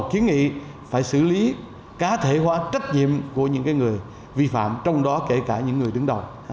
kiến nghị phải xử lý cá thể hóa trách nhiệm của những người vi phạm trong đó kể cả những người đứng đầu